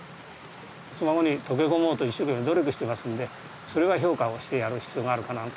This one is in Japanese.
妻籠に溶け込もうと一生懸命努力していますんでそれは評価をしてやる必要があるかなと。